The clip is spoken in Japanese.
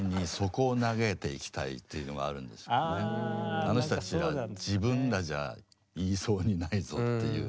あの人たちは自分らじゃ言いそうにないぞっていう。